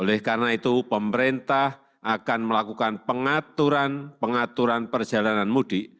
oleh karena itu pemerintah akan melakukan pengaturan pengaturan perjalanan mudik